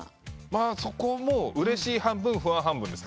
そこもうれしい半分不安半分。